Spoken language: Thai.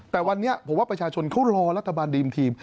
แต่วันนี้ผมว่าประชาชนเขารอรัฐบาลดีมทีม